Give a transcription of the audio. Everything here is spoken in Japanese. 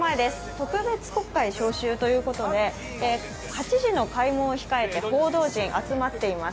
特別国会召集ということで、８時の開門を控えて報道陣、集まっています。